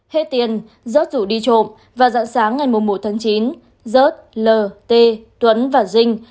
hết tiền rớt rủ đi trộm và dặn sáng ngày một một chín rớt l t tuấn và dinh